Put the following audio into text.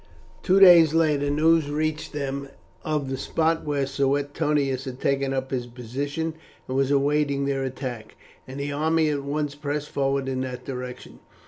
Two days later, news reached them of the spot where Suetonius had taken up his position and was awaiting their attack, and the army at once pressed forward in that direction.